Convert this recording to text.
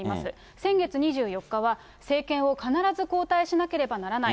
先月２４日は、政権を必ず交代しなければならない。